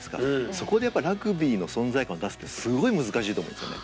そこでやっぱラグビーの存在感を出すってすごい難しいと思うんですよね。